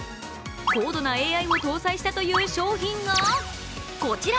高度なＡＩを搭載したという商品がこちら。